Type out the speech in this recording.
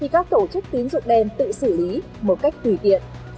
khi các tổ chức tiến dụng đen tự xử lý một cách tùy tiện